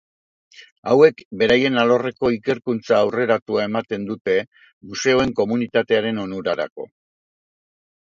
Hauek beraien alorreko ikerkuntza aurreratua ematen dute museoen komunitatearen onurarako.